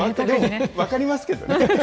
分かりますけどね。